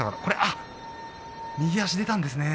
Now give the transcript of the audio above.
右足が出たんですね。